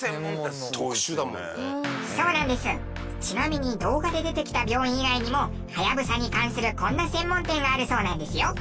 ちなみに動画で出てきた病院以外にもハヤブサに関する、こんな専門店があるそうなんですよ。